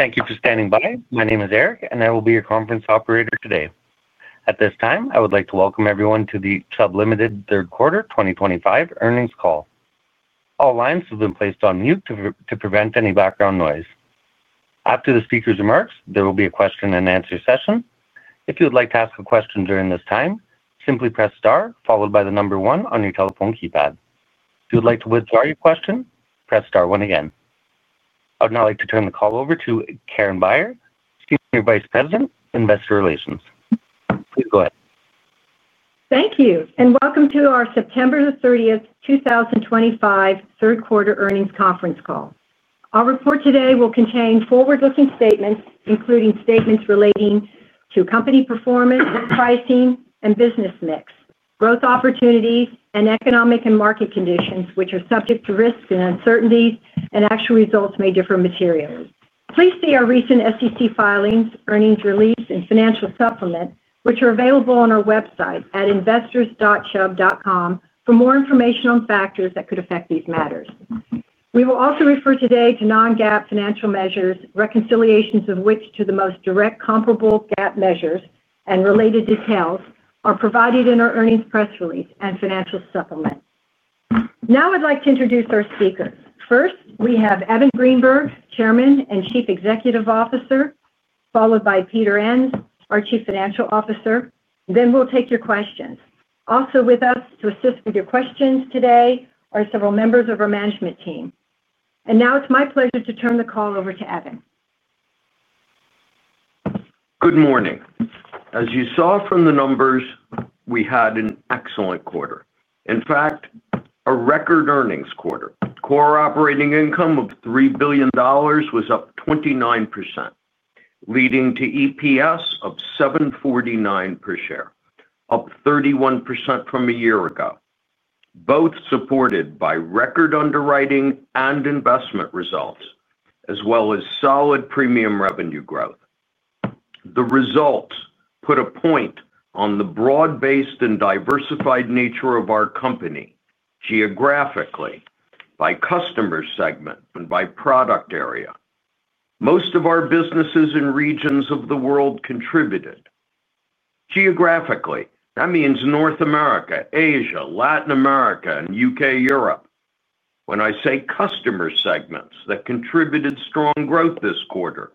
Thank you for standing by. My name is Eric and I will be your conference operator today. At this time I would like to welcome everyone to the Chubb Limited third quarter 2025 earnings call. All lines have been placed on mute to prevent any background noise. After the speaker's remarks, there will be a question-and-answer session. If you would like to ask a question during this time, simply press star followed by the number one your telephone keypad. If you would like to withdraw your question, press star one again. I would now like to turn the call over to Karen Beyer, Senior Vice President, Investor Relations. Please go ahead. Thank you and welcome to our September 30th, 2025 third quarter earnings conference call. Our report today will contain forward-looking statements, including statements relating to company performance, pricing and business mix, growth opportunities, and economic and market conditions, which are subject to risks and uncertainties, and actual results may differ materially. Please see our recent SEC filings, earnings release, and financial supplement, which are available on our website at investors.chubb.com, for more information on factors that could affect these matters. We will also refer today to non-GAAP financial measures, reconciliations of which to the most direct comparable GAAP measures and related details are provided in our earnings press release and financial supplement. Now I'd like to introduce our speakers. First, we have Evan Greenberg, Chairman and Chief Executive Officer, followed by Peter Enns, our Chief Financial Officer. We'll take your questions. Also with us to assist with your questions today are several members of our Management Team, and now it's my pleasure to turn the call over to Evan. Good morning. As you saw from the numbers, we had an excellent quarter. In fact, a record earnings quarter. Core operating income of $3 billion was up 29%, leading to EPS of $7.49 per share, up 31% from a year ago, both supported by record underwriting and investment results as well as solid premium revenue growth. The results put a point on the broad-based and diversified nature of our company. Geographically, by customer segment and by product area. Most of our businesses and regions of the world contributed geographically. That means North America, Asia, Latin America, and U.K., Europe. When I say customer segments that contributed strong growth this quarter,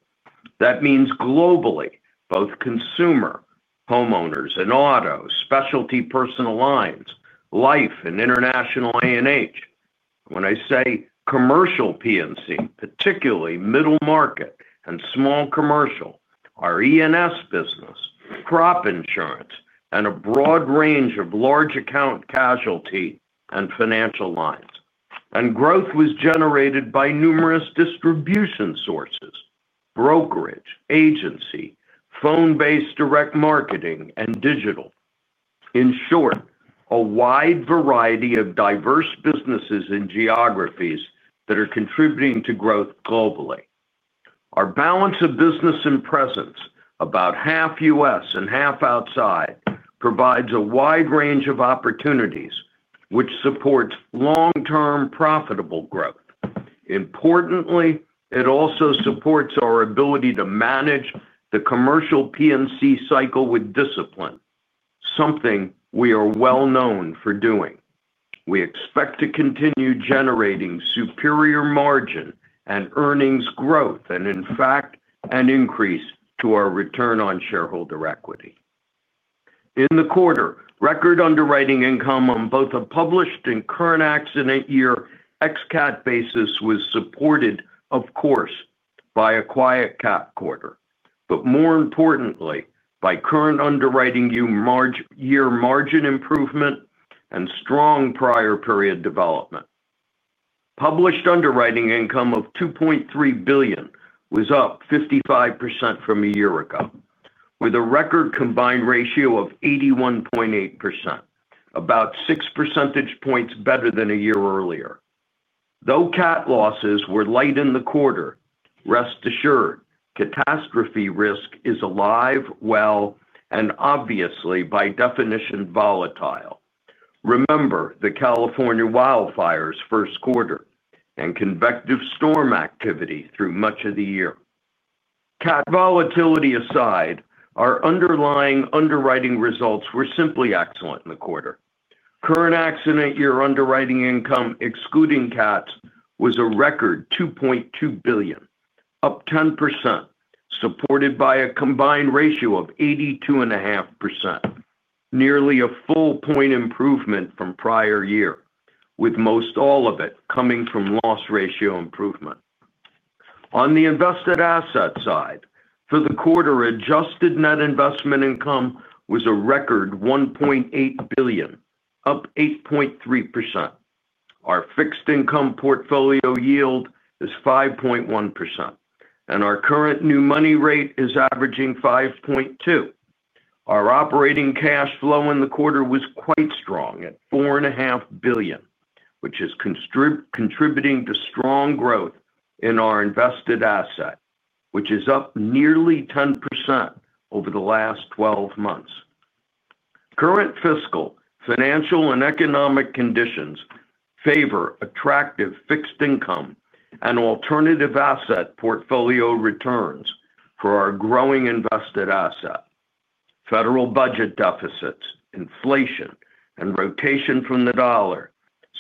that means globally, both consumer homeowners and auto specialty personal lines, life, and International A&H. When I say Commercial P&C, particularly middle market and small commercial, our E&S business, crop insurance, and a broad range of large account casualty and financial lines, and growth was generated by numerous distribution sources, brokerage, agency, phone-based, direct marketing, and digital. In short, a wide variety of diverse businesses and geographies that are contributing to growth globally. Our balance of business and presence, about half U.S. and half outside, provides a wide range of opportunities which supports long-term profitable growth. Importantly, it also supports our ability to manage the commercial P&C cycle with discipline, something we are well known for doing. We expect to continue generating superior margin and earnings growth and in fact an increase to our return on shareholder equity in the quarter. Record underwriting income on both a published and current accident year ex CAT basis was supported of course by a quiet CAT quarter, but more importantly by current underwriting year margin improvement and strong prior period development. Published underwriting income of $2.3 billion was up 55% from a year ago with a record combined ratio of 81.8%, about 6 percentage points better than a year earlier. Though CAT losses were light in the quarter, rest assured catastrophe risk is alive, well, and obviously by definition volatile. Remember the California wildfire's first quarter and convective storm activity through much of the year. CAT volatility aside, our underlying underwriting results were simply excellent in the quarter. Current accident year underwriting income excluding CAT was a record $2.2 billion, up 10%, supported by a combined ratio of 82.5%, nearly a full point improvement from prior year, with most all of it coming from loss ratio improvement. On the invested asset side for the quarter, adjusted net investment income was a record $1.8 billion, up 8.3%. Our fixed income portfolio yield is 5.1% and our current new money rate is averaging 5.2%. Our operating cash flow in the quarter was quite strong at $4.5 billion, which is contributing to strong growth in our invested asset, which is up nearly 10% over the last 12 months. Current fiscal, financial, and economic conditions favor attractive fixed income and alternative asset portfolio returns for our growing invested asset. Federal budget deficits, inflation, and rotation from the dollar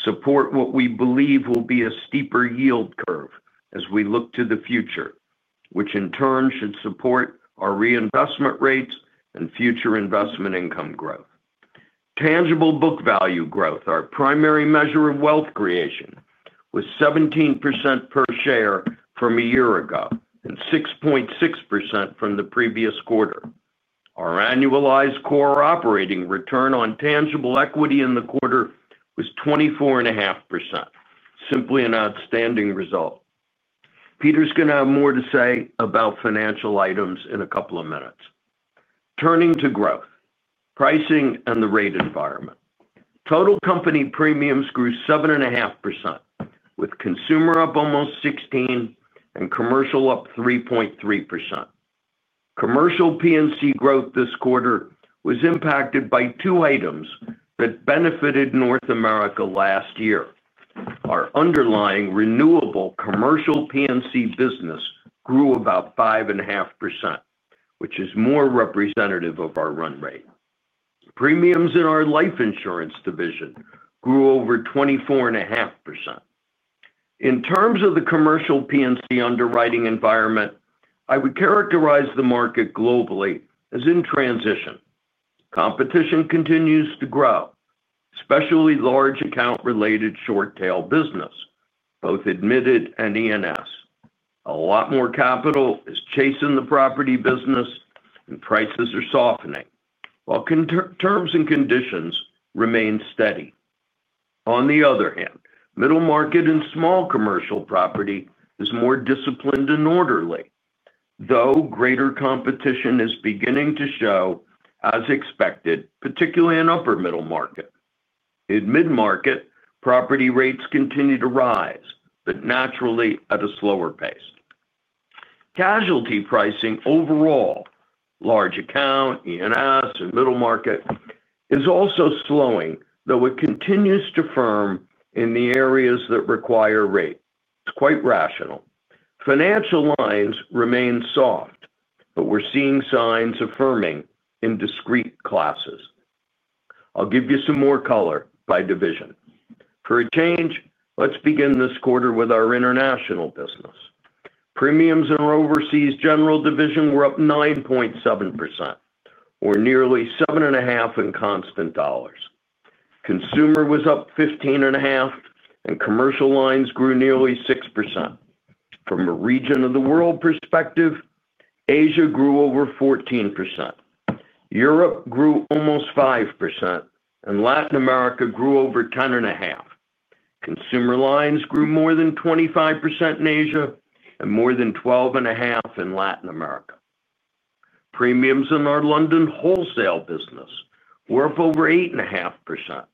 support what we believe will be a steeper yield curve as we look to the future, which in turn should support our reinvestment rates and future investment income growth. Tangible book value growth, our primary measure of wealth creation, was 17% per share from a year ago and 6.6% from the previous quarter. Our annualized core operating return on tangible equity in the quarter was 24.5%, simply an outstanding result. Peter's going to have more to say about financial items in a couple of minutes. Turning to growth, pricing, and the rate environment, total company premiums grew 7.5% with consumer up almost 16% and commercial up 3.3%. Commercial P&C growth this quarter was impacted by two items that benefited North America. Last year our underlying renewable commercial P&C business grew about 5.5%, which is more representative of our run rate. Premiums in our life insurance division grew over 24.5%. In terms of the commercial P&C underwriting environment, I would characterize the market globally as in transition. Competition continues to grow, especially large account related short tail business, both admitted and E&S. A lot more capital is chasing the property business and prices are softening while terms and conditions remain steady. On the other hand, middle market and small commercial property is more disciplined and orderly, though greater competition is beginning to show as expected, particularly in upper middle market. In mid market property, rates continue to rise but naturally at a slower pace. Casualty pricing overall, large account E&S, and middle market is also slowing, though it continues to firm in the areas that require rate. It's quite rational. Financial lines remain soft, but we're seeing signs affirming in discrete classes. I'll give you some more color by division for a change. Let's begin this quarter with our international business. Premiums in our Overseas General division were up 9.7% or nearly 7.5% in constant dollars. Consumer was up 15.5% and commercial lines grew nearly 6%. From a region of the world perspective, Asia grew over 14%, Europe grew almost 5%, and Latin America grew over 10.5%. Consumer lines grew more than 25% in Asia and more than 12.5% in Latin America. Premiums in our London wholesale business were up over 8.5%.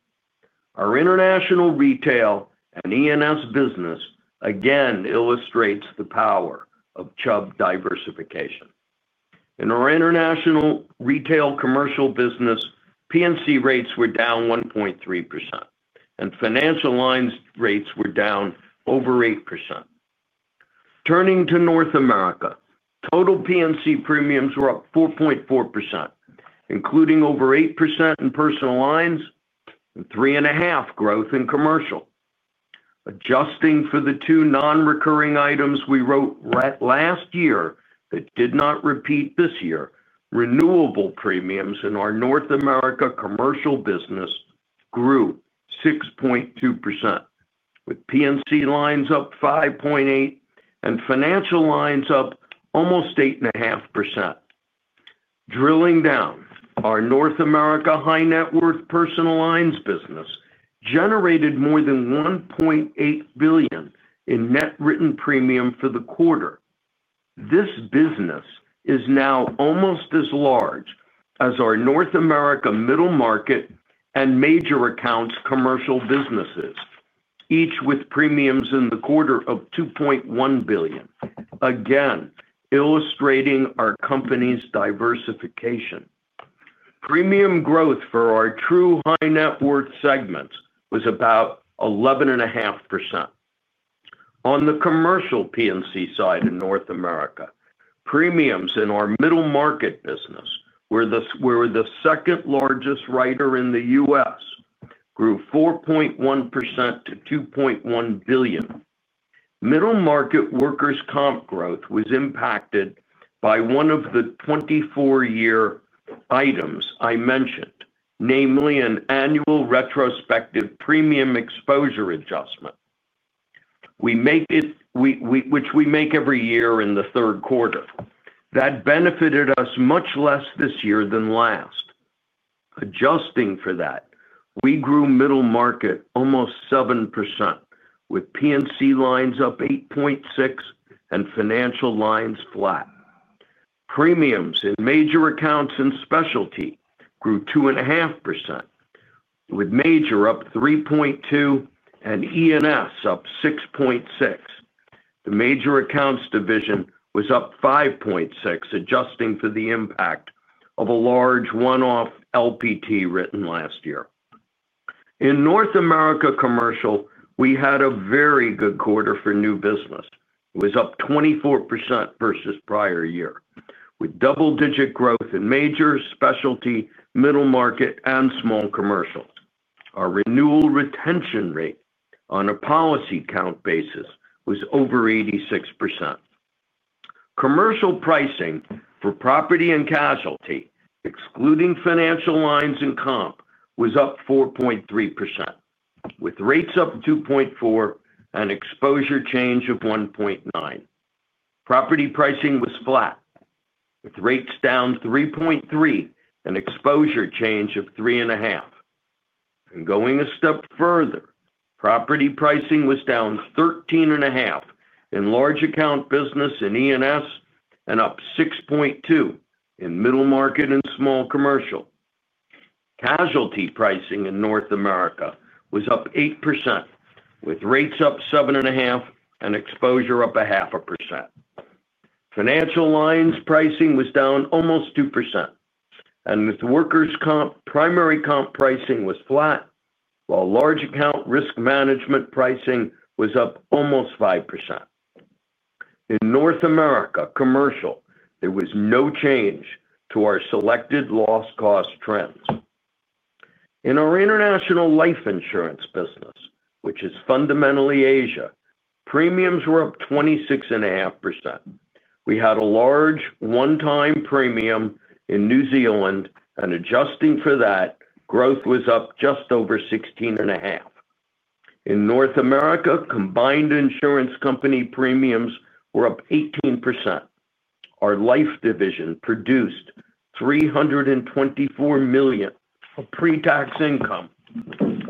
Our international retail and E&S business again illustrates the power of Chubb diversification. In our international retail commercial business, P&C rates were down 1.3% and financial lines rates were down over 8%. Turning to North America, total P&C premiums were up 4.4%, including over 8% in personal lines and 3.5% growth in commercial. Adjusting for the two non-recurring items we wrote last year that did not repeat this year, renewable premiums in our North America commercial business grew 6.2%, with P&C lines up 5.8% and financial lines up almost 8.5%. Drilling down, our North America high net worth personal lines business generated more than $1.8 billion in net written premium for the quarter. This business is now almost as large as our North America middle market and major accounts commercial businesses, each with premiums in the quarter of $2.1 billion, again illustrating our company's diversification. Premium growth for our true high net worth segments was about 11.5%. On the commercial P&C side in North America, premiums in our middle market business, where the second largest writer in the U.S., grew 4.1%-$2.1 billion. Middle market workers comp growth was impacted by one of the 2024 items I mentioned, namely an annual retrospective premium exposure adjustment which we make every year in the third quarter. That benefited us much less this year than last. Adjusting for that, we grew middle market almost 7%, with P&C lines up 8.6% and financial lines flat. Premiums in major accounts and specialty grew 2.5%, with major up 3.2% and E&S up 6.6%. The major accounts division was up 5.6%, adjusting for the impact of a large one-off LPT written last year. In North America Commercial, we had a very good quarter for new business. It was up 24% versus prior year, with double-digit growth in major specialty, middle market, and small commercial. Our renewal retention rate on a policy count basis was over 86%. Commercial pricing for property and casualty excluding financial lines and Comp was up 4.3% with rates up 2.4% and exposure change of 1.9%. Property pricing was flat with rates down 3.3% and exposure change of 3.5%. Going a step further, property pricing was down 13.5% in large account business in E&S and up 6.2% in middle market and small commercial. Casualty pricing in North America was up 8% with rates up 7.5% and exposure up 0.5%. Financial lines pricing was down almost 2% and with workers comp, primary comp pricing was flat while large account risk management pricing was up almost 5% in North America. Commercial, there was no change to our selected loss cost trends. In our international life insurance business, which is fundamentally Asia, premiums were up 26.5%. We had a large one-time premium in New Zealand and adjusting for that, growth was up just over 16.5%. In North America, combined insurance company premiums were up 18%. Our life division produced $324 million of pre-tax income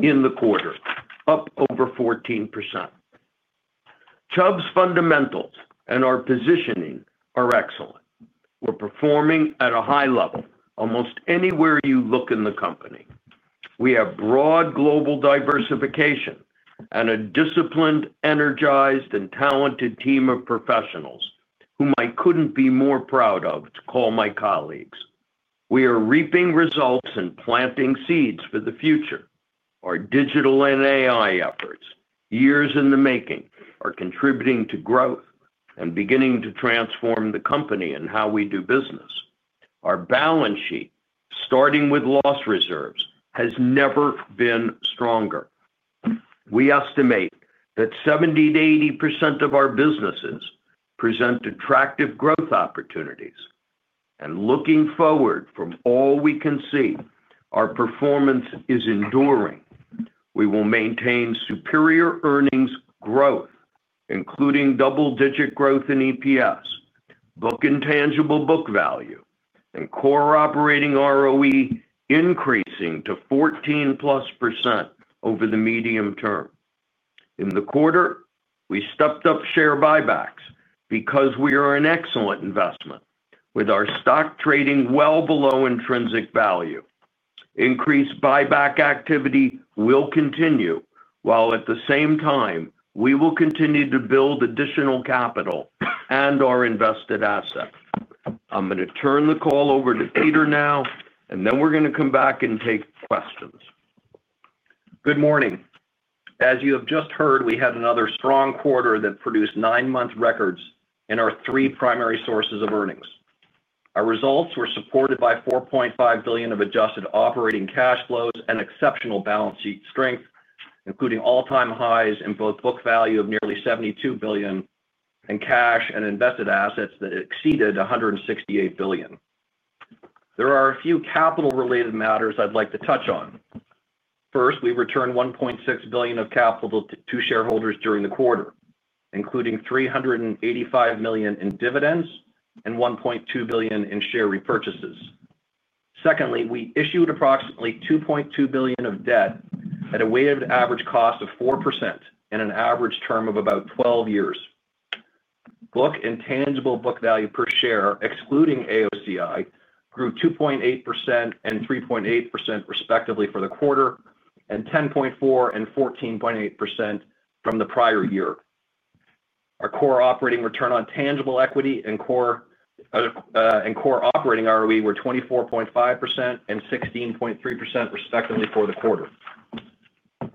in the quarter, up over 14%. Chubb's fundamentals and our positioning are excellent. We're performing at a high level almost anywhere you look in the company. We have broad global diversification and a disciplined, energized, and talented team of professionals whom I couldn't be more proud of to call my colleagues. We are reaping results and planting seeds for the future. Our digital and AI efforts, years in the making, are contributing to growth and beginning to transform the company and how we do business. Our balance sheet, starting with loss reserves, has never been stronger. We estimate that 70%-80% of our businesses present attractive growth opportunities and looking forward, from all we can see, our performance is enduring. We will maintain superior earnings growth including double-digit growth in EPS, book and tangible book value, and core operating ROE increasing to 14+% over the medium term. In the quarter, we stepped up share buybacks because we are an excellent investment with our stock trading well below intrinsic value. Increased buyback activity will continue while at the same time we will continue to build additional capital and our invested asset. I'm going to turn the call over to Peter now and then we're going to come back and take questions. Good morning. As you have just heard, we had another strong quarter that produced nine month records in our three primary sources of earnings. Our results were supported by $4.5 billion of adjusted operating cash flows and exceptional balance sheet strength, including all-time highs in both book value of nearly $72 billion and cash and invested assets that exceeded $168 billion. There are a few capital related matters I'd like to touch on. First, we returned $1.6 billion of capital to shareholders during the quarter, including $385 million in dividends and $1.2 billion in share repurchases. Secondly, we issued approximately $2.2 billion of debt at a weighted average cost of 4% and an average term of about 12 years. Book and tangible book value per share excluding AOCI grew 2.8% and 3.8%, respectively, for the quarter and 10.4% and 14.8% from the prior year. Our core operating return on tangible equity and core operating ROE were 24.5% and 16.3%, respectively, for the quarter.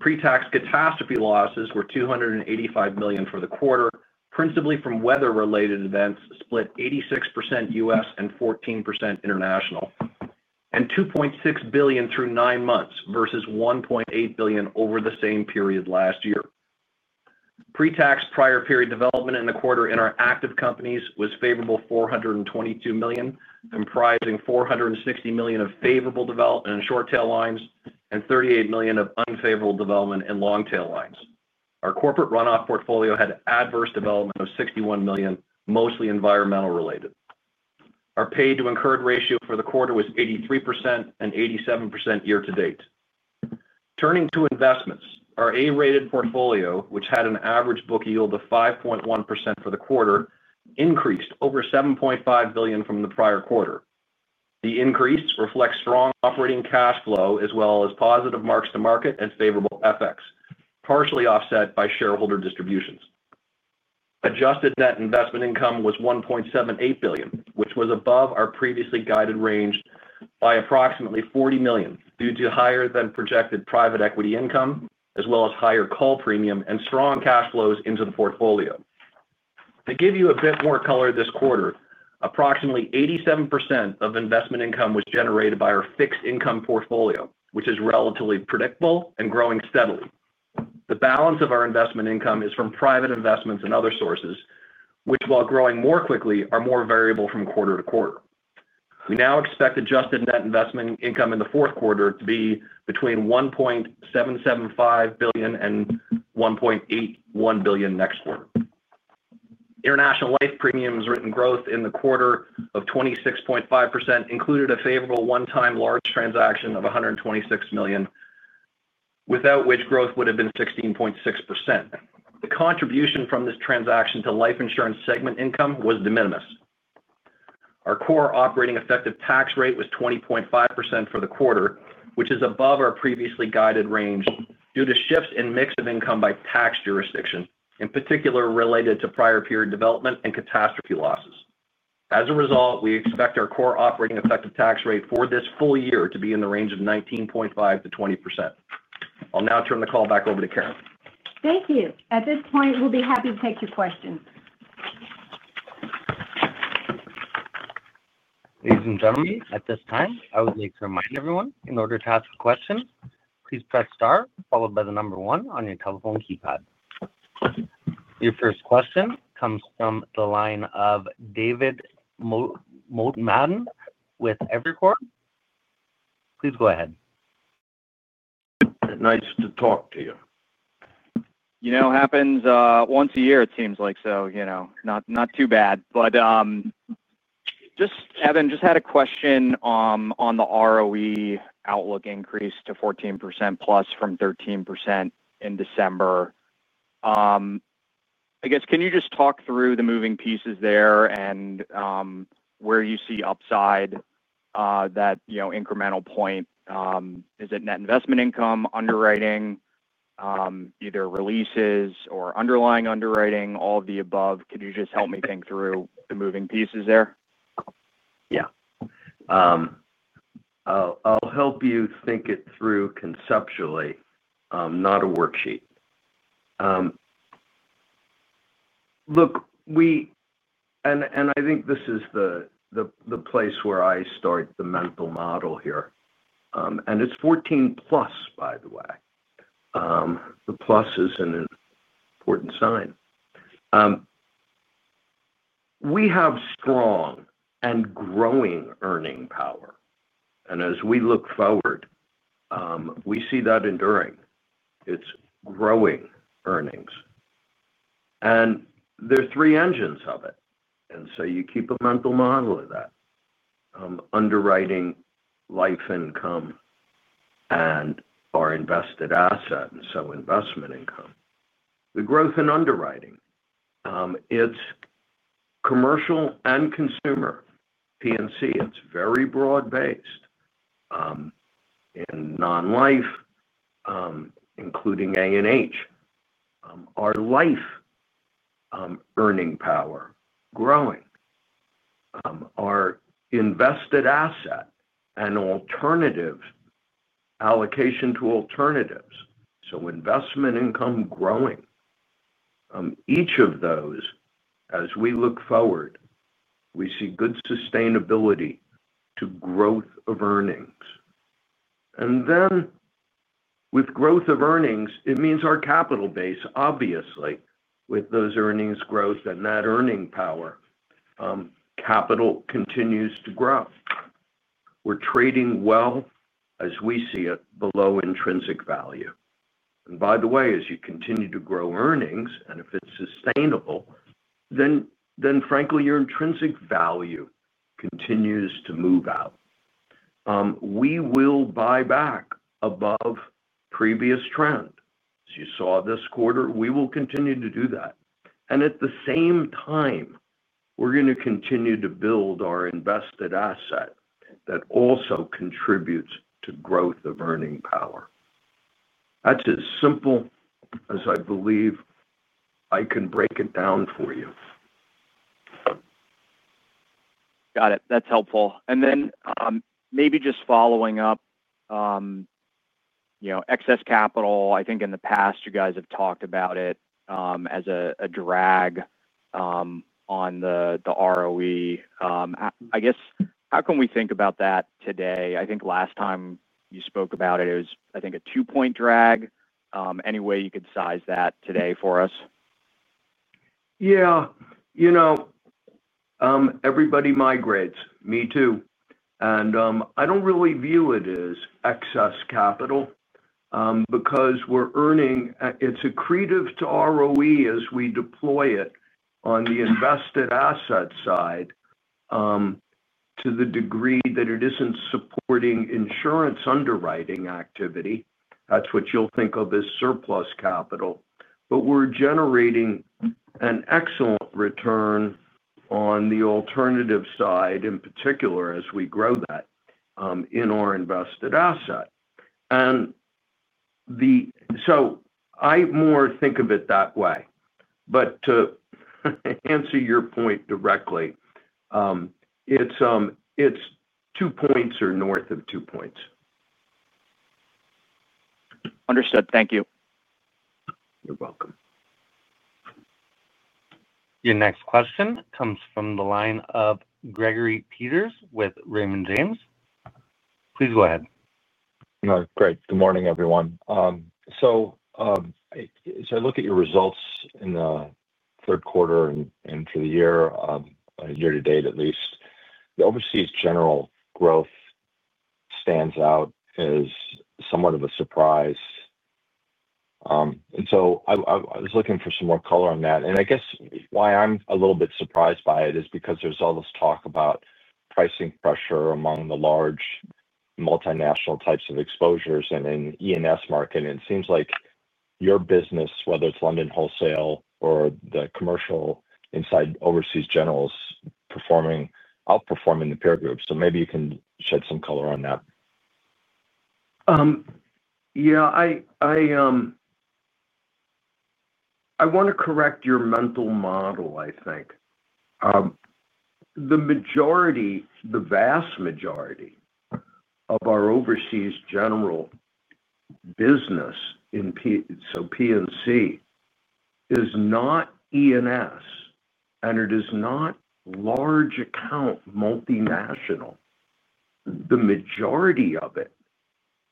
Pre-tax catastrophe losses were $285 million for the quarter, principally from weather related events split 86% U.S. and 14% international, and $2.6 billion through nine months versus $1.8 billion over the same period last year. Pre-tax prior period development in the quarter in our active companies was favorable, $422 million, comprising $460 million of favorable development in short tail lines and $38 million of unfavorable development in long tail lines. Our corporate runoff portfolio had adverse development of $61 million, mostly environmental related. Our paid to incurred ratio for the quarter was 83% and 87% year-to date. Turning to investments, our A rated portfolio, which had an average book yield of 5.1% for the quarter, increased over $7.5 billion from the prior quarter. The increase reflects strong operating cash flow as well as positive marks to market and favorable FX, partially offset by shareholder distributions. Adjusted net investment income was $1.78 billion, which was above our previously guided range by approximately $40 million due to higher than projected private equity income as well as higher call premium and strong cash flows into the portfolio. To give you a bit more color, this quarter approximately 87% of investment income was generated by our fixed income portfolio, which is relatively predictable and growing steadily. The balance of our investment income is from private investments and other sources, which, while growing more quickly, are more variable from quarter to quarter. We now expect adjusted net investment income in the fourth quarter to be between $1.775 billion and $1.81 billion next quarter. International life premiums written growth in the quarter of 26.5% included a favorable one-time large transaction of $126 million, without which growth would have been 16.6%. The contribution from this transaction to life insurance segment income was de minimis. Our core operating effective tax rate was 20.5% for the quarter, which is above our previously guided range due to shifts in mix of income by tax jurisdiction, in particular related to prior period development and catastrophe losses. As a result, we expect our core operating effective tax rate for this full year to be in the range of 19.5% to 20%. I'll now turn the call back over to Karen. Thank you. At this point, we'll be happy to take your questions. Ladies and gentlemen, at this time I would like to remind everyone, in order to ask a question, please press star followed by the number one on your telephone keypad. Your first question comes from the line of David Motemaden with Evercore. Please go ahead. Nice to talk to you. You know, happens once a year it seems like. Not too bad. Evan, just had a question on the ROE outlook increase to 14%+ from 13% in December, I guess. Can you just talk through the moving pieces there and where you see upside, that incremental point, is it net investment income, underwriting, either releases or underlying underwriting, all of the above? Could you just help me think through the moving pieces there? Yeah, I'll help you think it through. Conceptually, not a worksheet. Look, I think this is the place where I start the mental model here. It's 14%+, by the way. The + is an important sign. We have strong and growing earning power and as we look forward we see that enduring. It's growing earnings and there are three engines of it, so you keep a mental model of that. Underwriting, life income, and our invested asset. So investment income, the growth in underwriting, it's commercial and consumer P&C, it's very broad based in non-life including A&H. Our life earning power growing, our invested asset, and alternative allocation to alternatives. So investment income growing each of those. As we look forward, we see good sustainability to growth of earnings. With growth of earnings it means our capital base. Obviously with those earnings growth and that earning power, capital continues to grow. We're trading well as we see it below intrinsic value. By the way, as you continue to grow earnings and if it's sustainable, then frankly your intrinsic value continues to move out. We will buy back above previous trend as you saw this quarter, we will continue to do that and at the same time we're going to continue to build our invested asset that also contributes to growth of earning power. That's as simple as I believe I can break it down for you. Got it. That's helpful. Maybe just following up, excess capital, I think in the past you guys have talked about it as a drag on the ROE. I guess, how can we think about that today? I think last time you spoke about it, it was a two point drag. Any way you could size that today for us? Yeah, you know, everybody migrates. Me too. I don't really view it as excess capital because we're earning, it's accretive to ROE as we deploy it on the invested asset side to the degree that it isn't supporting insurance underwriting activity. That's what you'll think of as surplus capital. We're generating an excellent return on the alternative side in particular as we grow that in our invested asset. I more think of it that way. To answer your point directly, it's two points or north of two points. Understood. Thank you. You're welcome. Your next question comes from the line of Gregory Peters with Raymond James. Please go ahead. Great. Good morning everyone. As I look at your results in the third quarter and for the year year to date at least, the overseas general growth stands out as somewhat of a surprise. I was looking for some more color on that. I guess why I'm a little bit surprised by it is because there's all this talk about pricing pressure among the large multinational types of exposures and in the E&S market it seems like your business, whether it's London wholesale or the commercial inside overseas general, is performing, outperforming the peer group. Maybe you can shed some color on that. I want to correct your mental model. I think the majority, the vast majority of our overseas general business, so P&C, is not E&S and it is not large account multinational. The majority of it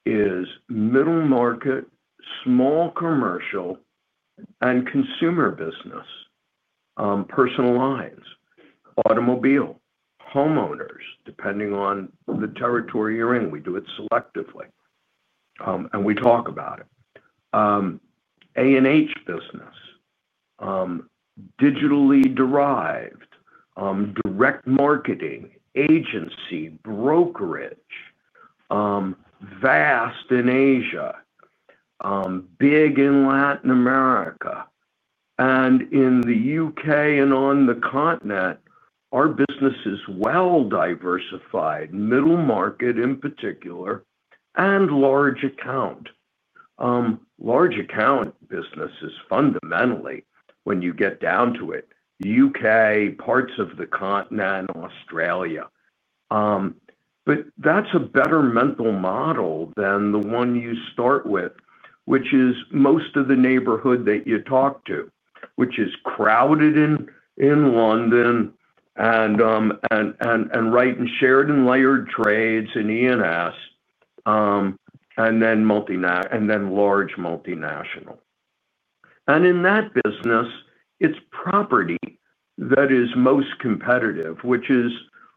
is middle market, small commercial and consumer business, personal lines, automobile, homeowners, depending on the territory you're in. We do it selectively and we talk about it, A&H business, digitally derived direct marketing, agency, brokerage, vast in Asia, big in Latin America and in the U.K. and on the continent. Our business is well diversified, middle market in particular, and large account. Large account businesses, fundamentally, when you get down to it, U.K., parts of the continent, Australia. That's a better mental model than the one you start with, which is most of the neighborhood that you talk to, which is crowded in London and right in shared and layered trades and E&S and then large multinational. In that business, it's property that is most competitive, which is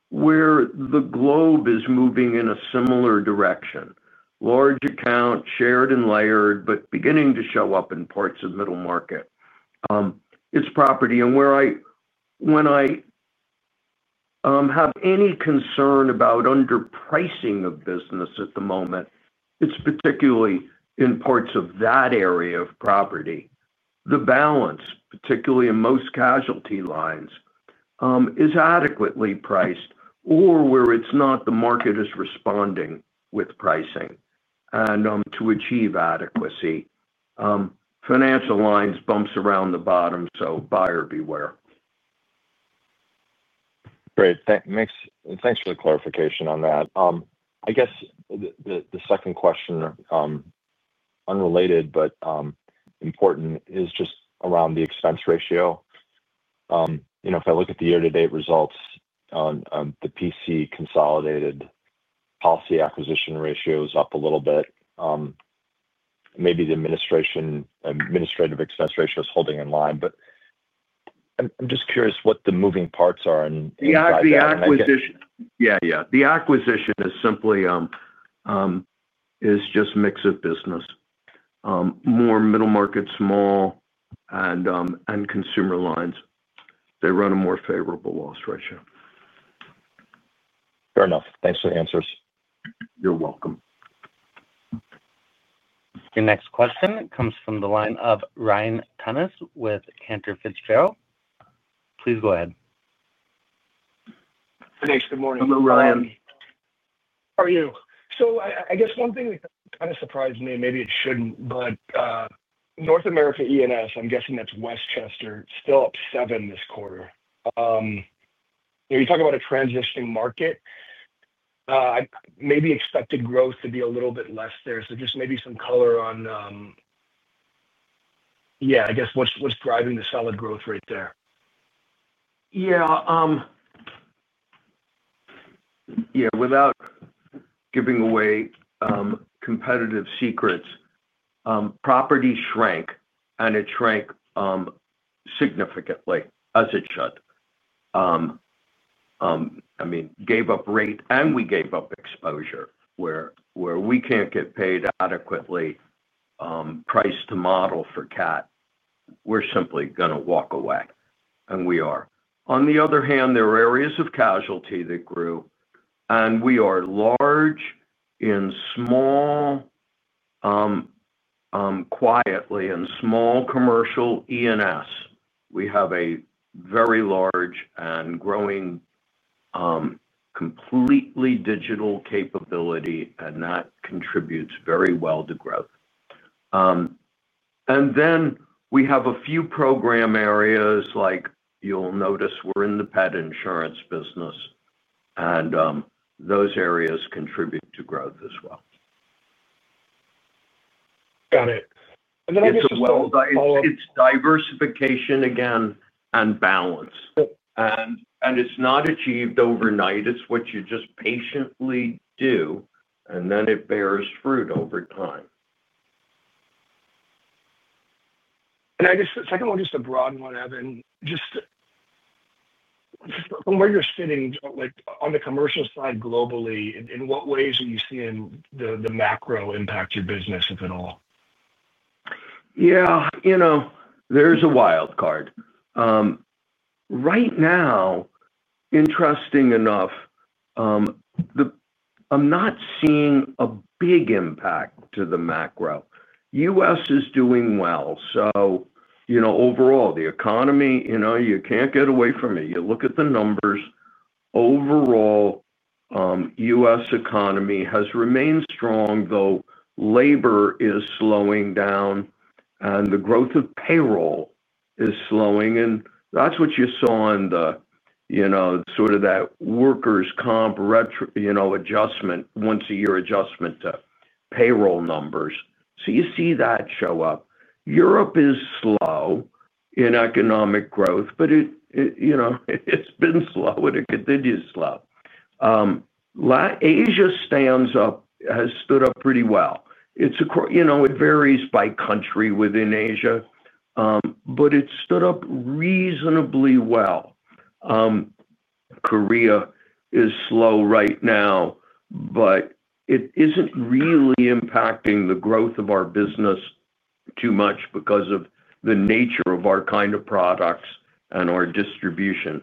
where the globe is moving in a similar direction. Large account, shared and layered, but beginning to show up in parts of middle market. It's property. When I have any concern about underpricing of business at the moment, it's particularly in parts of that area of property. The balance, particularly in most casualty lines, is adequately priced or where it's not, the market is responding with pricing. To achieve adequacy, financial lines bumps around the bottom, so buyer beware. Great, thanks for the clarification on that. I guess the second question, unrelated but important, is just around the expense ratio. If I look at the year-to-date results on the P&C consolidated policy acquisition ratio, it is up a little bit. Maybe the administrative expense ratio is holding in line, but I'm just curious what the moving parts are. Yeah, the acquisition is simply just mix of business, more middle market, small, and consumer lines. They run a more favorable loss ratio. Fair enough. Thanks for the answers. You're welcome. Your next question comes from the line of Ryan Thomas with Cantor Fitzgerald. Please go ahead. Thanks. Good morning. Hello, Ryan. How are you? I guess one thing that kind of surprised me, maybe it shouldn't, but North America E&S. I'm guessing that's Westchester, still up 7% this quarter. You talk about a transitioning market. I maybe expected growth to be a little bit less there. Maybe some color on what's driving the solid growth rate there. Without giving away competitive secrets, property shrank and it shrank significantly as it should. I mean, gave up rate and we gave up exposure where we can't get paid adequately, price to model for cat. We're simply going to walk away, and we are. On the other hand, there are areas of casualty that grew and we are large in small, quietly in small commercial E&S. We have a very large and growing completely digital capability and that contributes very well to growth. We have a few program areas. Like you'll notice, we're in the pet insurance business and those areas contribute to growth as well. Got it. It's diversification again and balance, and it's not achieved overnight. It's what you just patiently do and then it bears fruit over time. I guess second one, just a broad one. Evan, just from where you're sitting, like on the commercial side, globally, in what ways are you seeing the macro impact your business, if at all? Yeah, you know, there's a wild card right now. Interesting enough, I'm not seeing a big impact to the macro. U.S. is doing well. Overall, the economy, you can't get away from it. You look at the numbers. Overall, U.S. economy has remained strong though. Labor is slowing down and the growth of payroll is slowing. That's what you saw in that workers comp adjustment, once-a-year adjustment to payroll numbers. You see that show up. Europe is slow in economic growth, but it's been slow and it continues slow. Asia stands up, has stood up pretty well. It varies by country within Asia, but it stood up reasonably well. Korea is slow right now, but it isn't really impacting the growth of our business too much because of the nature of our kind of products and our distribution.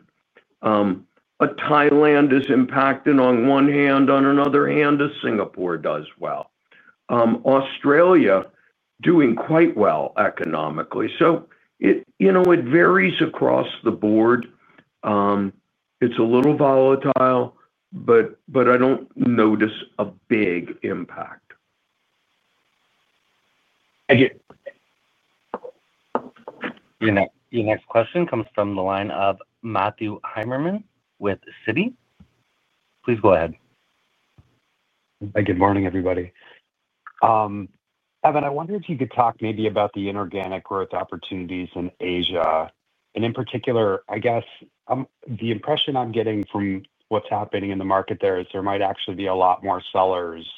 Thailand is impacted on one hand, on another hand, Singapore does well. Australia is doing quite well economically. It varies across the board. It's a little volatile, but I don't notice a big impact. Your next question comes from the line of Matthew Heimermann with Citi. Please go ahead. Good morning everybody. Evan, I wonder if you could talk maybe about the inorganic growth opportunities in Asia and in particular, I guess the impression I'm getting from what's happening in the market there is there might actually be a lot more sellers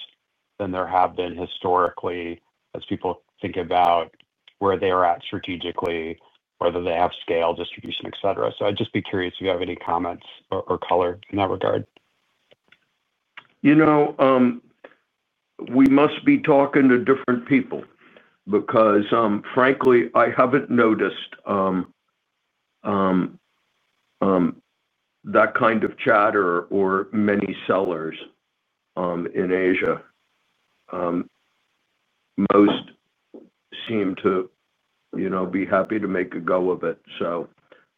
than there have been historically. As people think about where they are at strategically, whether they have scale, distribution, etc. I'd just be curious if you have any comments or color in that regard. You know, we must be talking to different people because frankly I haven't noticed that kind of chatter or many sellers in Asia. Most seem to be happy to make a go of it.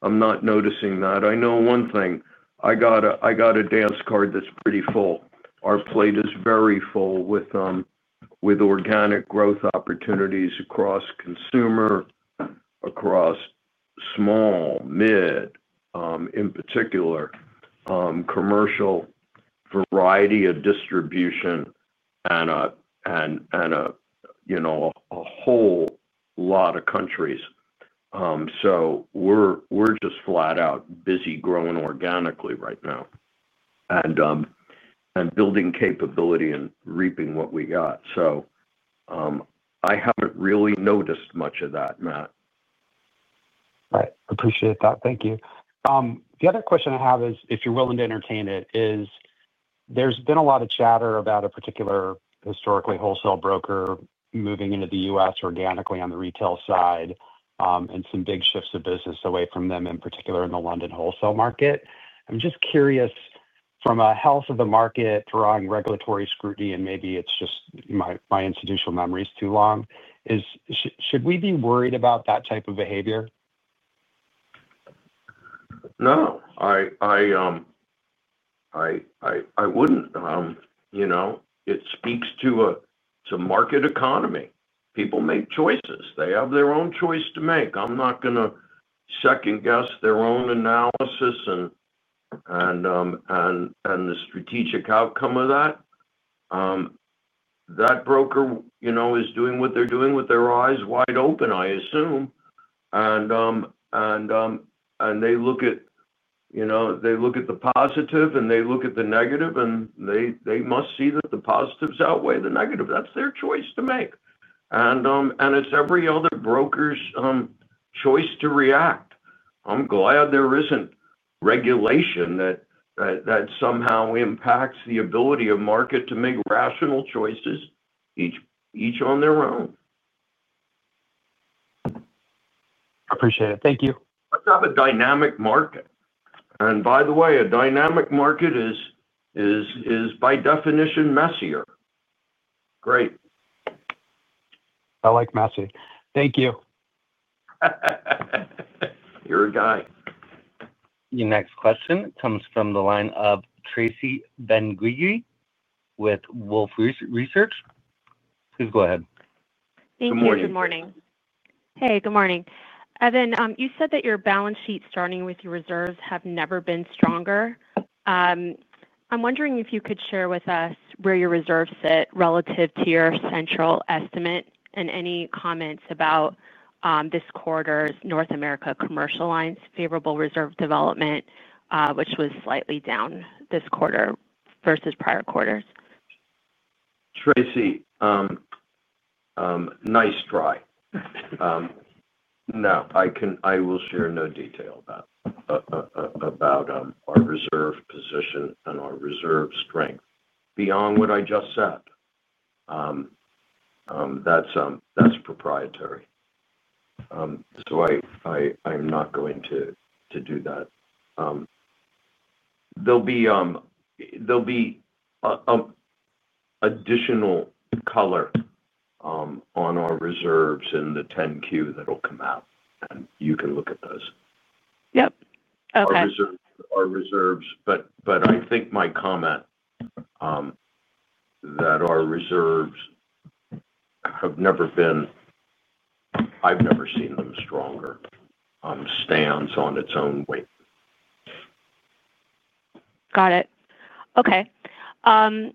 I'm not noticing that. I know one thing, I got a dance card that's pretty full. Our plate is very full with organic growth opportunities across consumer, across small, mid, in particular commercial, variety of distribution and a whole lot of countries. We're just flat out busy growing organically right now and building capability and reaping what we got. I haven't really noticed much of that, Matt. Right. Appreciate that. Thank you. The other question I have is if you're willing to entertain it, there's been a lot of chatter about a particular historically wholesale broker moving into the U.S. organically on the retail side and some big shifts of business away from them, in particular in the London wholesale market. I'm just curious from a health of the market, drawing regulatory scrutiny, and maybe it's just my institutional memory is too long, should we be worried about that type of behavior? No, I wouldn't. It speaks to market economy. People make choices. They have their own choice to make. I'm not going to second guess their own analysis and the strategic outcome of that. That broker is doing what they're doing with their eyes wide open, I assume. They look at the positive and they look at the negative and they must see that the positives outweigh the negative. That's their choice to make and it's every other broker's choice to react. I'm glad there isn't regulation that somehow impacts the ability of market to make rational choices each on their own. Appreciate it. Thank you. Let's have a dynamic market. By the way, a dynamic market is by definition messier. Great. I like messy. Thank you. Your next question comes from the line of Tracy Benguigui with Wolfe Research. Please go ahead. Thank you. Good morning. Good morning. Evan, you said that your balance sheet starting with your reserves have never been stronger. I'm wondering if you could share with us where your reserves sit relative to your central estimate and any comments about this quarter's North America commercial lines. Favorable reserve development, which was slightly down this quarter versus prior quarters. Tracy, nice try. Now I can. I will share no detail about our reserve position and our reserve strength beyond what I just said. That's proprietary, so I'm not going to do that. There will be additional color on our reserves in the 10Q that will come out and you can look at those. Our reserves. I think my comment that our reserves have never been, I've never seen them stronger, stands on its own weight. Got it. Okay. Can you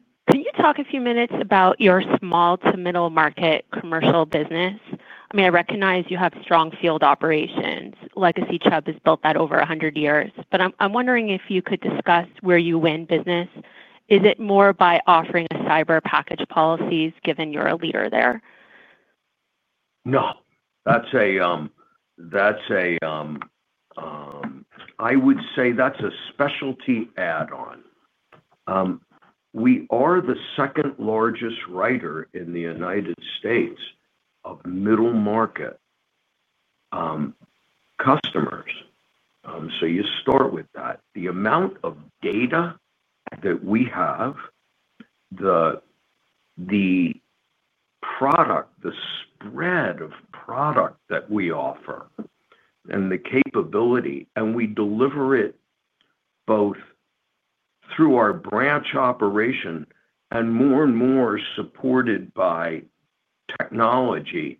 talk a few minutes about your small to middle market commercial business? I mean I recognize you have strong field operations. Legacy Chubb has built that over 100 years. I'm wondering if you could discuss where you win business. Is it more by offering a cyber package policies given you're a leader there? That's a specialty add-on. We are the second largest writer in the United States of middle market customers. You start with that. The amount of data that we have, the product, the spread of product that we offer, and the capability, and we deliver it both through our branch operation and more and more supported by technology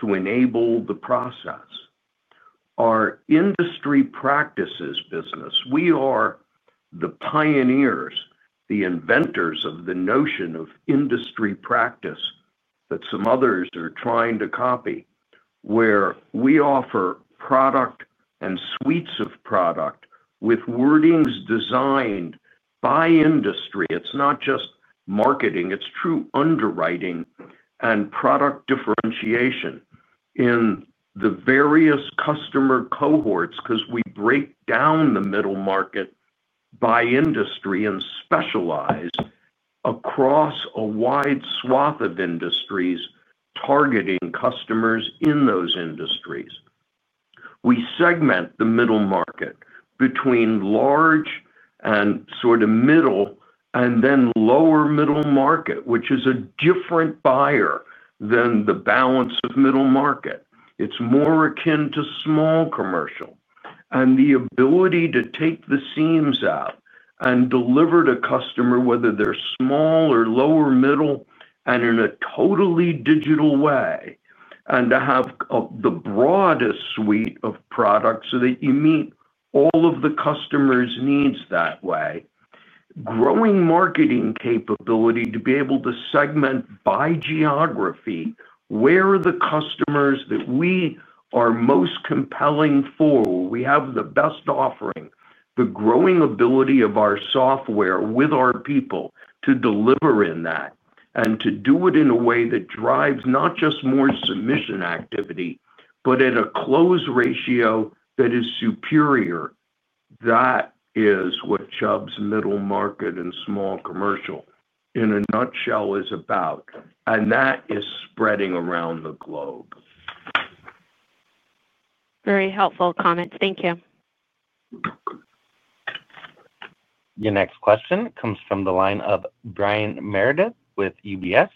to enable the process, our industry practices business. We are the pioneers, the inventors of the notion of industry practice that some others are trying to copy. We offer product and suites of product with wordings designed by industry. It's not just marketing, it's true underwriting and product differentiation in the various customer cohorts. We break down the middle market by industry and specialize across a wide swath of industries, targeting customers in those industries. We segment the middle market between large and sort of middle and then lower middle market, which is a different buyer than the balance of middle market. It's more akin to small commercial, and the ability to take the seams out and deliver to customer whether they're small or lower middle and in a totally digital way, and to have the broadest suite of products so that you meet all of the customers' needs that way. Growing marketing capability to be able to segment by geography. Where are the customers that we are most compelling for? We have the best offering, the growing ability of our software with our people to deliver in that and to do it in a way that drives not just more submission activity but at a close ratio that is superior. That is what Chubb's middle market and small commercial in a nutshell is about. That is spreading around the globe. Very helpful comments. Thank you. Your next question comes from the line of Brian Meredith with UBS.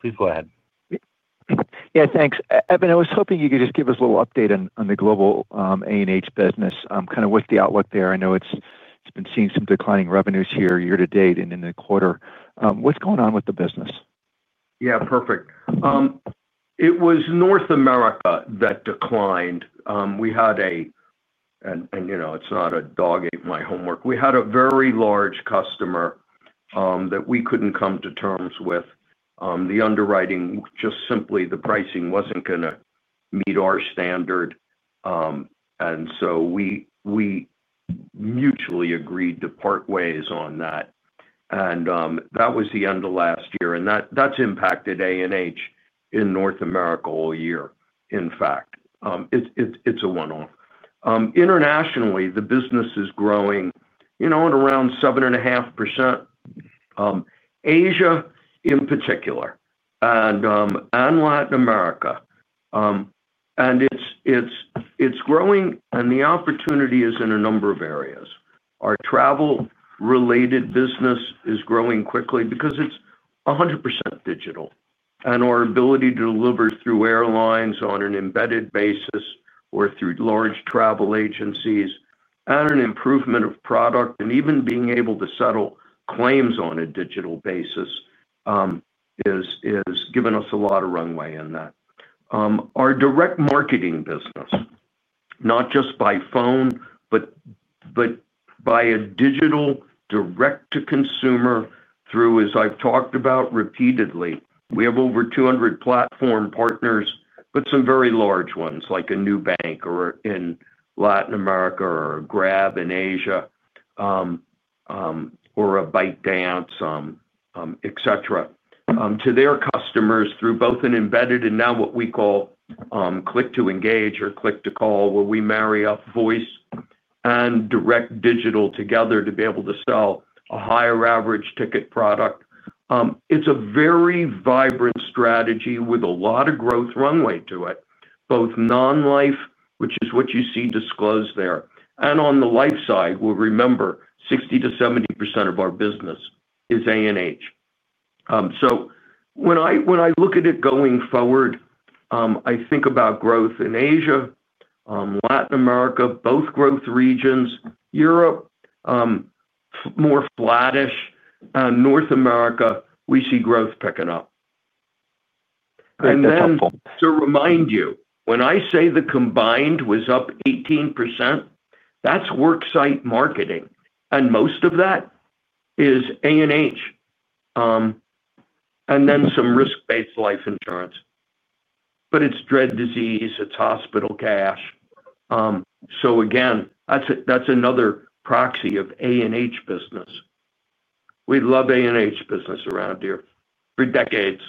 Please go ahead. Yeah, thanks Evan. I was hoping you could just give us a little update on the global A&H business kind of with the outlook there. I know it's been seeing some declining revenues here year to date and in the quarter. What's going on with the business? Yeah, perfect. It was North America that declined. We had a very large customer that we couldn't come to terms with the underwriting. Just simply the pricing wasn't going to meet our standard, and so we mutually agreed to part ways on that. That was the end of last year, and that's impacted A&H in North America all year. In fact, it's a one-off. Internationally, the business is growing at around 7.5%. Asia in particular and Latin America, and it's growing and the opportunity is in a number of areas. Our travel related business is growing quickly because it's 100% digital, and our ability to deliver through airlines on an embedded basis or through large travel agencies and an improvement of product and even being able to settle claims on a digital basis is giving us a lot of runway in that. Our direct marketing business, not just by phone but by a digital direct to consumer through, as I've talked about repeatedly, we have over 200 platform partners, but some very large ones like a Nubank in Latin America or Grab in Asia or ByteDance, etc., to their customers through both an embedded and now what we call click to engage or click to call, where we marry up voice and direct digital together to be able to sell a higher average ticket product. It's a very vibrant strategy with a lot of growth runway to it, both non-life, which is what you see disclosed there, and on the life side. Remember, 60%-70% of our business is A&H. When I look at it going forward, I think about growth in Asia, Latin America, both growth regions, Europe more flattish. North America, we see growth picking up. To remind you, when I say the combined was up 18%, that's worksite marketing, and most of that is A&H and then some risk-based life insurance, but it's dread disease, it's hospital cash. That's another proxy of A&H business. We love A&H business around here for decades.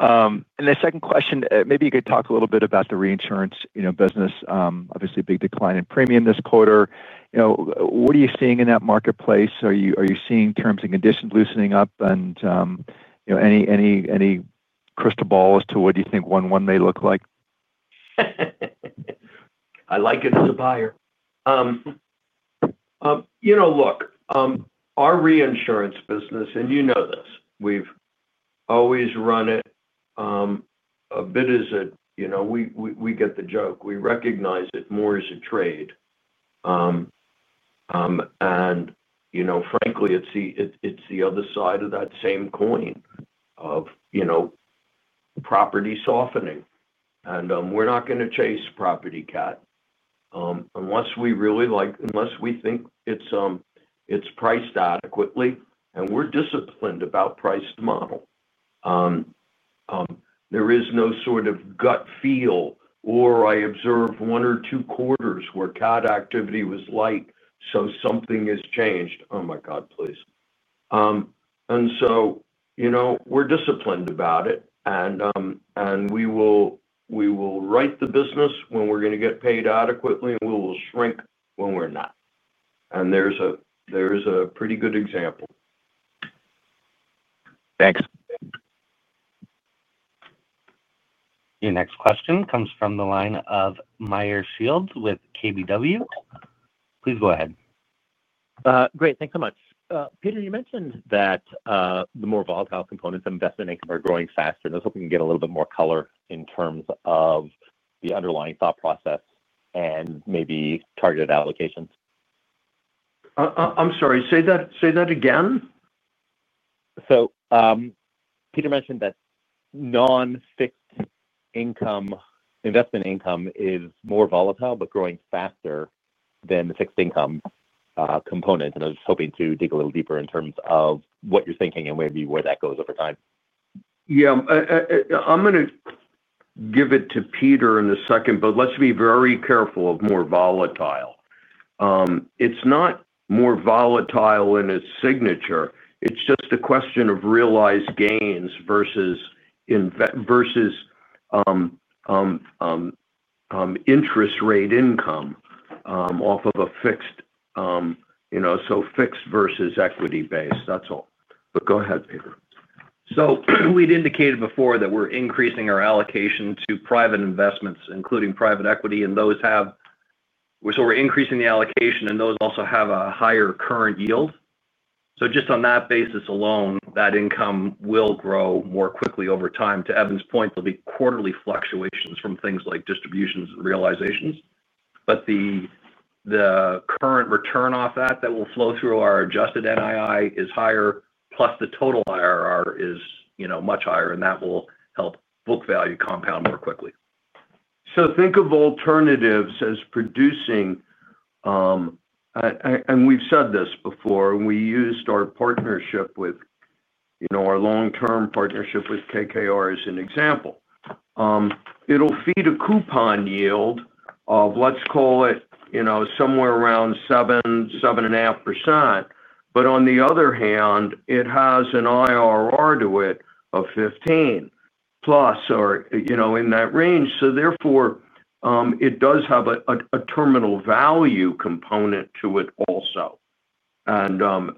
The second question, maybe you could talk a little bit about the reinsurance business. Obviously, a big decline in premium this quarter. What are you seeing in that marketplace? Are you seeing terms and conditions loosening up and any crystal ball as to what you think one may look like? I like it as a buyer. Look, our reinsurance business, and you know this, we've always run it a bit. We get the joke. We recognize it more as a trade and frankly it's the other side of that same coin of property softening. We're not going to chase property cat unless we think it's priced adequately and we're disciplined about price to model. There is no sort of gut feel or I observed one or two quarters where CAT activity was light, so something has changed. Oh my God, please. We're disciplined about it and we will write the business when we're going to get paid adequately and we will shrink when we're not. There's a pretty good example. Thanks. Your next question comes from the line of Meyer Shields with KBW. Please go ahead. Great, thanks so much. Peter, you mentioned that the more volatile components of investment income are growing faster and I hope we can get a little bit more color in terms of the underlying thought process and maybe targeted allocations. I'm sorry, say that again. Peter mentioned that non fixed income investment income is more volatile but growing faster than the fixed income component. I was hoping to dig a little deeper in terms of what you're thinking and maybe where that goes over time. I'm going to give it to Peter in a second. Let's be very careful of more volatile. It's not more volatile in its signature. It's just a question of realized gains versus interest rate income off of a fixed, you know, so fixed versus equity base. That's all. Go ahead, Peter. We'd indicated before that we're increasing our allocation to private investments, including private equity. We're increasing the allocation and those also have a higher current yield. Just on that basis alone, that income will grow more quickly over time. To Evan's point, there'll be quarterly fluctuations from things like distributions and realizations, but the current return off that will flow through our adjusted net investment income is higher plus the total IRR is much higher. That will help book value compound more quickly. Think of alternatives as producing, and we've said this before, we used our partnership with our long term partnership with KKR as an example. It'll feed a coupon yield of, let's call it, you know, somewhere around 7%, 7.5%. On the other hand, it has an IRR to it of 15%+ or, you know, in that range. Therefore, it does have a terminal value component to it also. You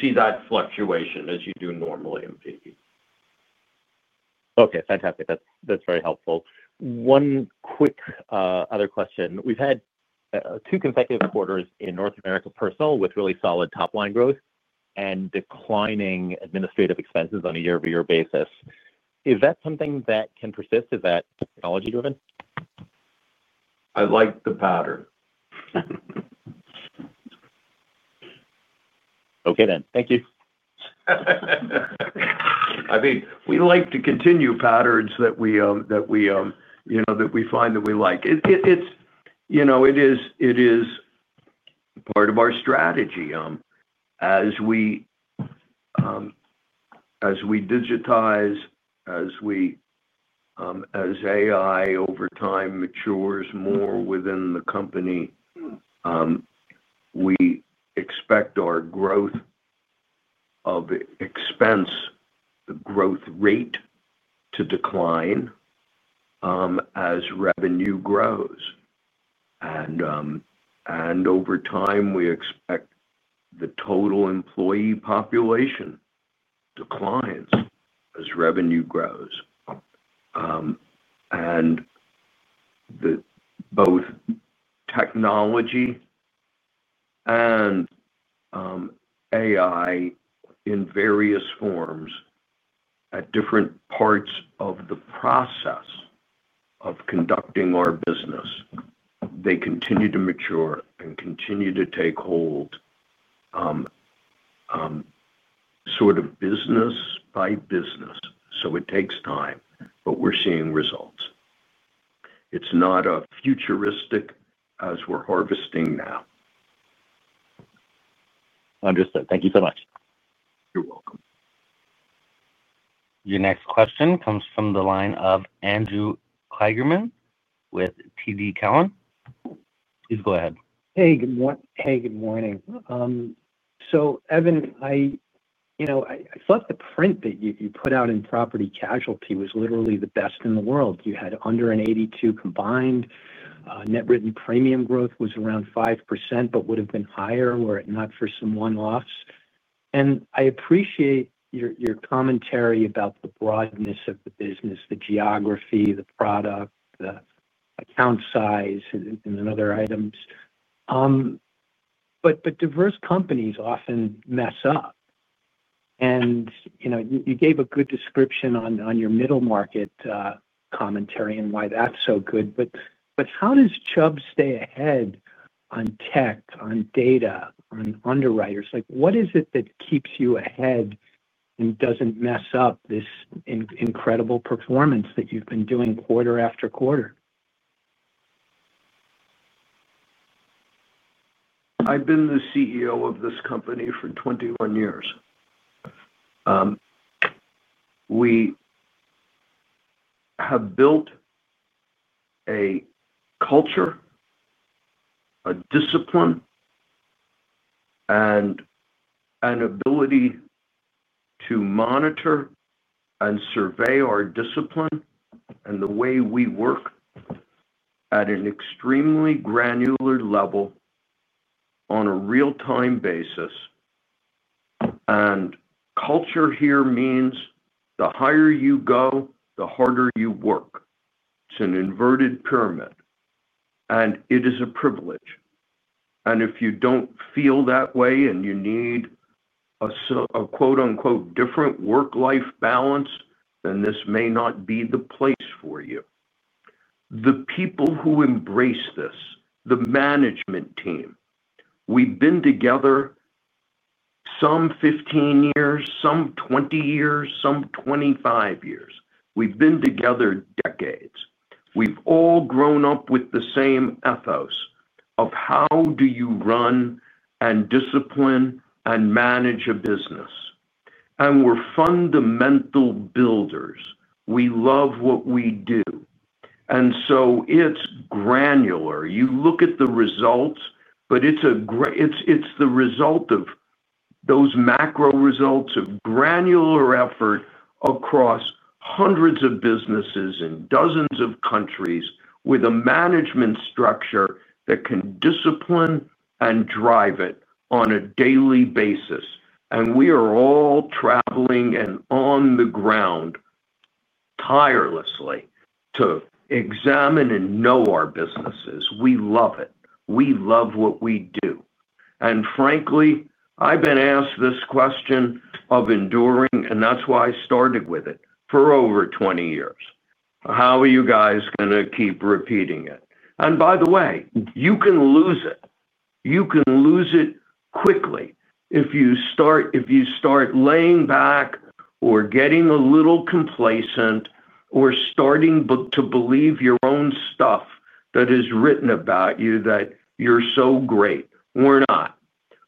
see that fluctuation as you do normally in PE. Okay, fantastic. That's very helpful. One quick other question. We've had two consecutive quarters in North America personal with really solid top line growth, declining administrative expenses on a year-over-year basis. Is that something that can persist? Is that technology driven? I like the pattern. Thank you. I think we like to continue patterns that we find that we like. It is part of our strategy as we digitize, as AI over time matures more within the company. We expect our growth of expense, the growth rate to decline as revenue grows. Over time, we expect the total employee population declines as revenue grows. Both technology and AI in various forms at different parts of the process conducting our business continue to mature and continue to take hold sort of business by business. It takes time, but we're seeing results. It's not futuristic as we're harvesting now. Understood. Thank you so much. You're welcome. Your next question comes from the line of Andrew Kligerman with TD Cowen. Please go ahead. Hey, good morning. Hey, good morning. So Evan, I thought the print that you put out in property casualty was literally the best in the world. You had under an 82 combined, net written premium growth was around 5% but would have been higher were it not for some one loss. I appreciate your commentary about the broadness of the business, the geography, the product, the account size and other items. Diverse companies often mess up and you gave a good description on your middle market commentary and why that's so good. How does Chubb stay ahead on tech, on data, on underwriters? What is it that keeps you ahead and doesn't mess up this incredible performance that you've been doing quarter after quarter? I've been the CEO of this company for 21 years. We have built a culture, a discipline and an ability to monitor and survey our discipline and the way we work at an extremely granular level on a real-time basis. Culture here means the higher you go, the harder you work. It's an inverted pyramid and it is a privilege. If you don't feel that way and you need a "quote unquote" different work life balance, then this may not be the place for you. The people who embrace this, the management team, we've been together some 15 years, some 20 years, some 25 years. We've been together decades. We've all grown up with the same ethos of how do you run and discipline and manage a business. We're fundamental builders. We love what we do. It's granular. You look at the results, but it's the result of those macro results of granular effort across hundreds of businesses in dozens of countries with a management structure that can discipline and drive it on a daily basis. We are all traveling and on the ground tirelessly to examine and know our businesses. We love it. We love what we do. Frankly, I've been asked this question of enduring and that's why I started with it for over 20 years. How are you guys going to keep repeating it? By the way, you can lose it, you can lose it quickly if you start laying back or getting a little complacent or starting to believe your own stuff that is written about you that you're so great. We're not.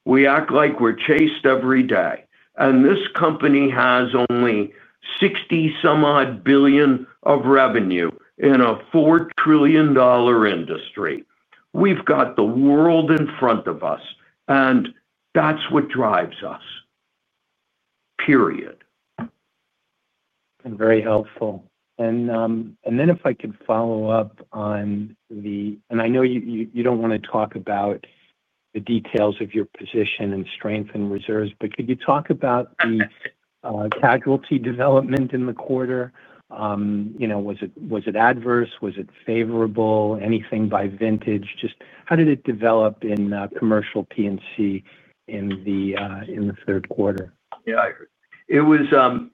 We act like we're chased every day. This company has only $60 some odd billion of revenue in a $4 trillion industry. We've got the world in front of us and that's what drives us, period. Very helpful. If I could follow up on the, I know you don't want to talk about the details of your position and strength in reserves, but could you talk about the casualty development in the quarter? Was it adverse, was it favorable? Anything by vintage? Just how did it develop in commercial P&C in the third quarter? Yeah, it was.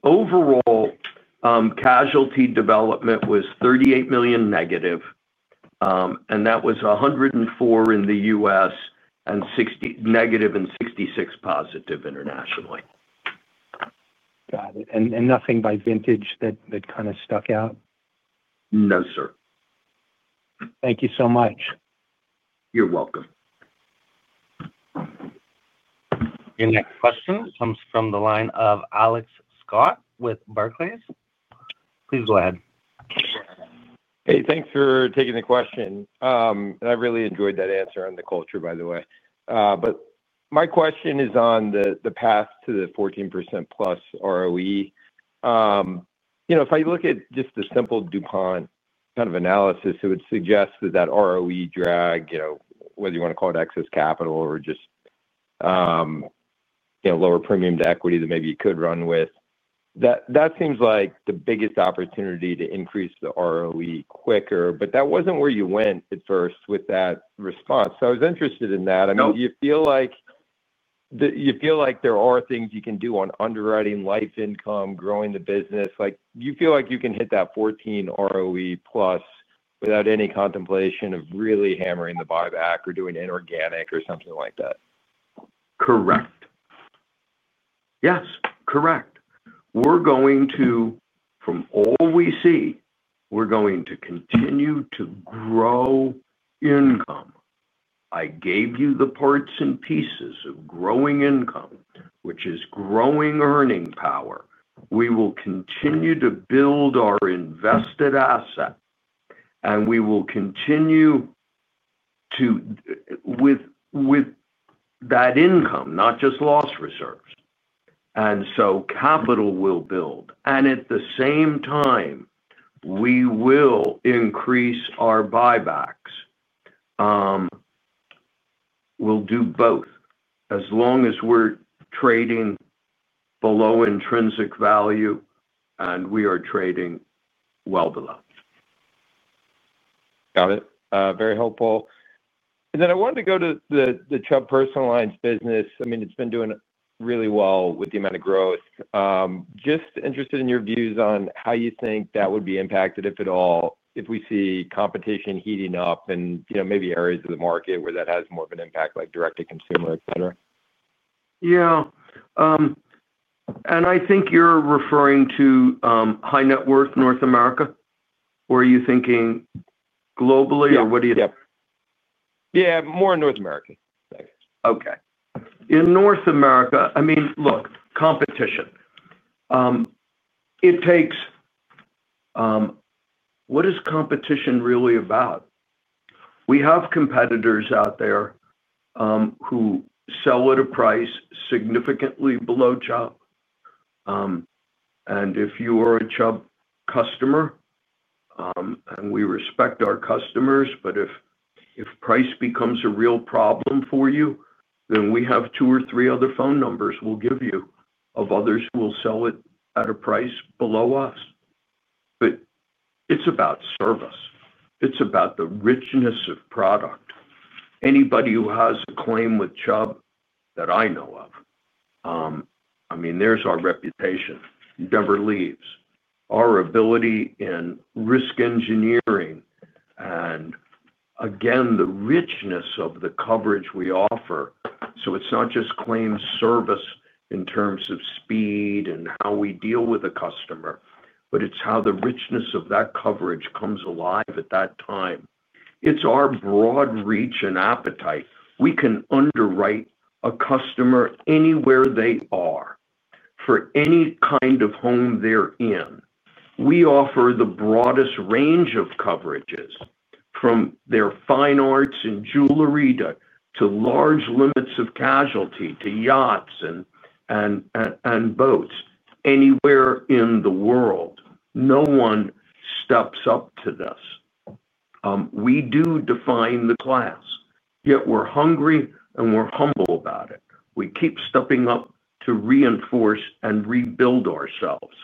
Overall casualty development was $38 million negative. That was $104 million in the U.S. and $60 million negative and $66 million positive internationally. Got it. Nothing by vintage that kind of stuck out. No, sir. Thank you so much. You're welcome. Your next question comes from the line of Alex Scott with Barclays. Please go ahead. Hey, thanks for taking the question. I really enjoyed that answer on the culture, by the way. My question is on the path to the 14%+ ROE. If I look at just the simple DuPont kind of analysis, it would suggest that that ROE drag, whether you want to call it excess capital or just lower premium to equity, that maybe you could run with that. That seems like the biggest opportunity to increase the ROE quicker. That wasn't where you went at first with that response. I was interested in that. You feel like there are things you can do on underwriting, life income, growing the business. You feel like you can hit that 14% ROE + without any contemplation of really hammering the buyback or doing inorganic or something like that, correct? Yes, correct. From all we see, we're going to continue to grow income. I gave you the parts and pieces of growing income, which is growing earning power. We will continue to build our invested asset and we will continue with that income, not just loss reserves. Capital will build and at the same time we will increase our buybacks. We will do both as long as we're trading below intrinsic value and we are trading well below. Got it. Very helpful. I wanted to go to the Chubb personal lines business. It's been doing really well with the amount of growth. Just interested in your views on how you think that would be impacted, if at all, if we see competition heating up and maybe areas of the market where that has more of an impact, like direct to consumer, etc. I think you're referring to high net worth North America or are you thinking globally or what do you— Yeah, more in North America. Okay. In North America, competition, it takes, what is competition really about? We have competitors out there who sell at a price significantly below Chubb. If you are a Chubb customer and we respect our customers, but if price becomes a real problem for you, then we have two or three other phone numbers we'll give you of others who will sell it at a price below us. It's about service. It's about the richness of product. Anybody who has a claim with Chubb that I know of, our reputation never leaves our ability in risk engineering. The richness of the coverage we offer—it's not just claims service in terms of speed and how we deal with a customer, but it's how the richness of that coverage comes alive at that time. It's our broad reach and appetite. We can underwrite a customer anywhere they are for any kind of home they're in. We offer the broadest range of coverages from their fine arts and jewelry to large limits of casualty to yachts and boats anywhere in the world. No one steps up to this. We do define the class yet. We're hungry and we're humble about it. We keep stepping up to reinforce and rebuild ourselves.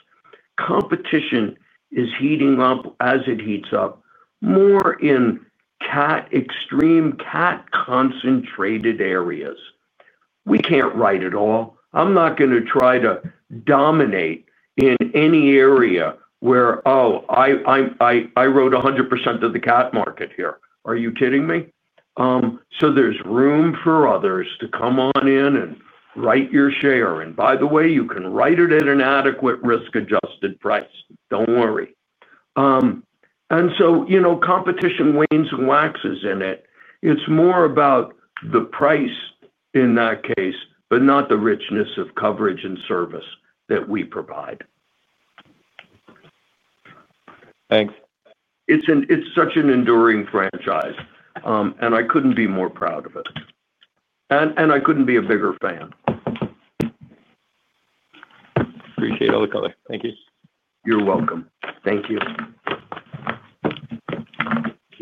Competition is heating up as it heats up more in CAT, extreme CAT concentrated areas. We can't write it all. I'm not going to try to dominate in any area where, oh, I wrote 100% of the CAT market here. Are you kidding me? There's room for others to come on in and write your share. By the way, you can write it at an adequate risk adjusted price. Don't worry. Competition wanes and waxes in it. It's more about the price in that case, but not the richness of coverage and service that we provide. Thanks. It's such an enduring franchise and I couldn't be more proud of it and I couldn't be a bigger fan. Appreciate all the color. Thank you. You're welcome. Thank you.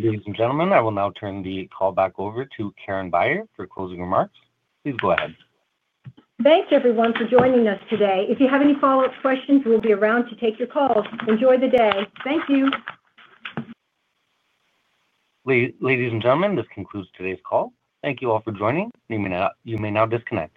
Ladies and gentlemen, I will now turn the call back over to Karen Beyer for closing remarks. Please go ahead. Thanks everyone for joining us today. If you have any follow up questions, we'll be around to take your call. Enjoy the day. Thank you. Ladies and gentlemen, this concludes today's call. Thank you all for joining. You may now disconnect.